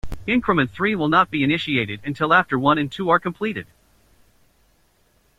Increment Three will not be initiated until after One and Two are completed.